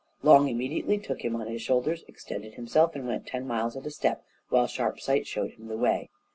Long immediately took him on his shoulders, extended himself, and went ten miles at a step, while Sharpsight showed him the way.